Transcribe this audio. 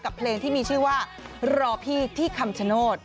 เพลงที่มีชื่อว่ารอพี่ที่คำชโนธ